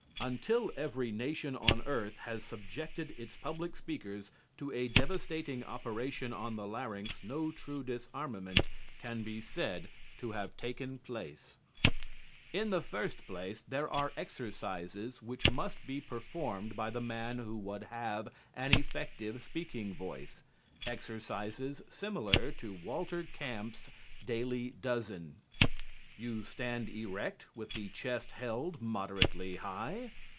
Until every nation on earth has subjected its public speakers to a devastating operation on the larynx no true disarmament can be said to have taken place. In the first place there are exercises which must be performed by the man who would have an effective speaking voice, exercises similar to Walter Camp's Daily Dozen. You stand erect, with the chest held moderately high.